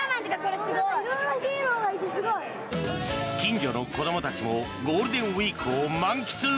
近所の子どもたちもゴールデンウィークを満喫。